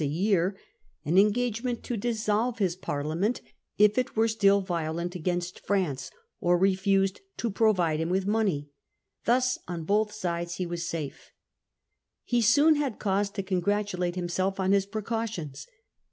a year, an engagement to dissolve his Parliament if it were still violent against France or refused to provide him with money. Thus on both sides he was safe. He soon had cause to congratulate himself on his precautions.